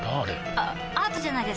あアートじゃないですか？